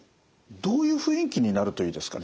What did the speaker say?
どういう雰囲気になるといいですか？